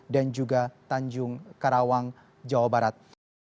dan juga tanjung karawang jawa barat